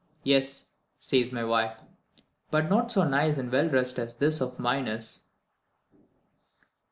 'Yes,' says my wife, 'but not so nice and well dressed as this of mine is.'"